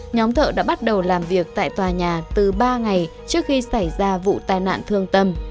nhóm thợ đã bắt đầu làm việc tại tòa nhà từ ba ngày trước khi xảy ra vụ tai nạn thương tâm